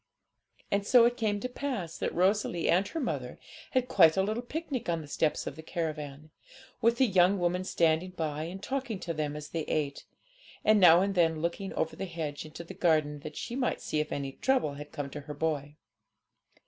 And so it came to pass that Rosalie and her mother had quite a little picnic on the steps of the caravan; with the young woman standing by, and talking to them as they ate, and now and then looking over the hedge into the garden, that she might see if any trouble had come to her boy.